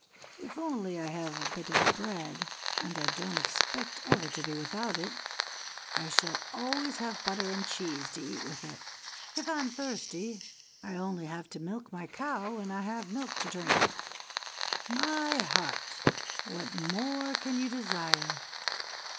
"If only I have a bit of bread, and I don't expect ever to be without it, I shall always have butter and cheese to eat with it. If I am thirsty, I only have to milk my cow and I have milk to drink. My heart! what more can you desire?"